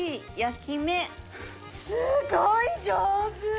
すごい上手！